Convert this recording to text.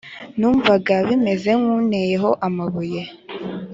numvaga bimeze nk'unteyeho amabuye